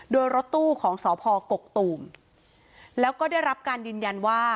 โดยรถตู้ของสพกกตูมแล้วก็ได้รับการยืนยันว่า